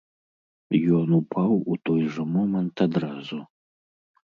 Ён упаў у той жа момант адразу.